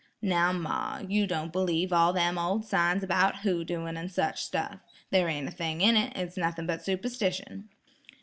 "Now, ma, you don't believe all them old signs about hoodooing and such stuff. There isn't a thing in it, it's nothing but superstition."